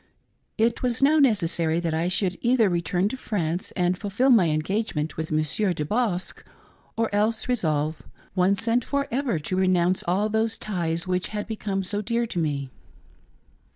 It was now necessary that I should either return to France and fulfill my engagement with Monsieur De Bosque, or else resolve, once and for ever, to renounce all those ties which had become so dear to me.